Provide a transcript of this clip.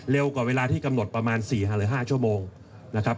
กว่าเวลาที่กำหนดประมาณ๔๕หรือ๕ชั่วโมงนะครับ